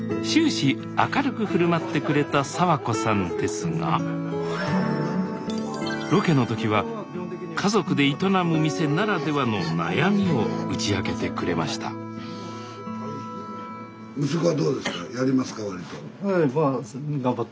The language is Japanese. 終始明るく振る舞ってくれた早和子さんですがロケの時は家族で営む店ならではの悩みを打ち明けてくれましたゆず！